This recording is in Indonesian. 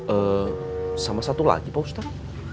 eee sama satu lagi pak ustad